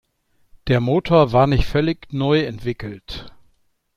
Der Motor war nicht völlig neu entwickelt.